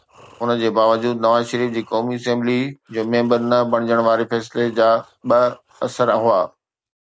ان جي باوجود نواز شريف جي قومي اسيمبليءَ جو ميمبر نه بڻجڻ واري فيصلي جا ٻه اثر هئا.